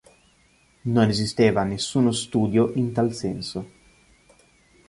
Non esisteva nessuno studio in tal senso.